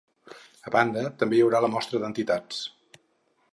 A banda, també hi haurà la mostra d’entitats.